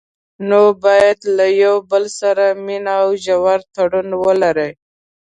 نو باید له یو بل سره مینه او ژور تړون ولري.